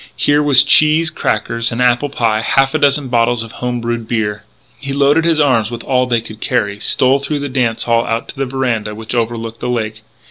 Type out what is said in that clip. Here was cheese, crackers, an apple pie, half a dozen bottles of home brewed beer. He loaded his arms with all they could carry, stole through the dance hall out to the veranda, which overlooked the lake.